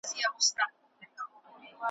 هر موسم یې ګل سرخ کې هر خزان ورته بهار کې ,